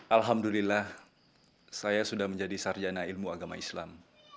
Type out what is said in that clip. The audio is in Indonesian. alhamdulillah saya sudah menjadi sarjana ilmu agama islam